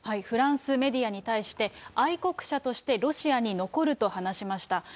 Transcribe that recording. フランスメディアに対して、愛国者としてロシアに残ると話しました。